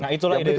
nah itulah ide ide